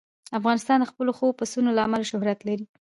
افغانستان د خپلو ښو پسونو له امله شهرت لري.